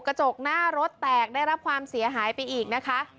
กระจกหน้ารถแตกได้รับความเสียหายไปอีกนะคะ